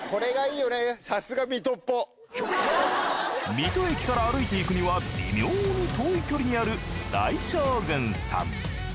水戸駅から歩いていくには微妙に遠い距離にある大将軍さん。